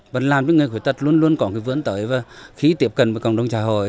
và làm cho người khuyết tật luôn luôn có cái vươn tới và khi tiếp cận với cộng đồng xã hội